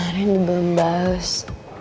ren belum bahas